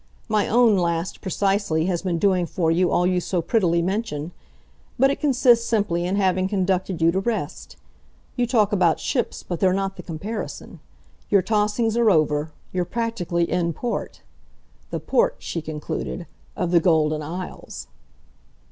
My own last, precisely, has been doing for you all you so prettily mention. But it consists simply in having conducted you to rest. You talk about ships, but they're not the comparison. Your tossings are over you're practically IN port. The port," she concluded, "of the Golden Isles."